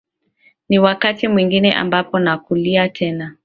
ni wakati mwingine ambapo nakualika tena